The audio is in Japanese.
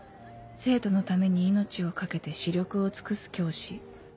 「生徒のために命を懸けて死力を尽くす教師」